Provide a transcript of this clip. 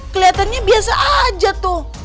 kelihatannya biasa aja tuh